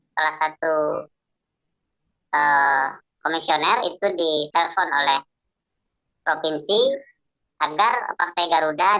salah satu komisioner itu ditelepon oleh provinsi agar partai garuda